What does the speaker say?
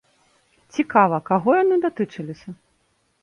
Цікава, каго яны датычыліся?